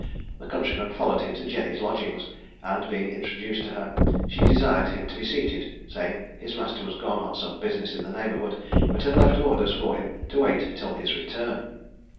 The countryman followed him to Jenny's lodgings, and, being introduced to her, she desired him to be seated, saying his master was gone on some business in the neighbourhood, but had left orders for him to wait till his return.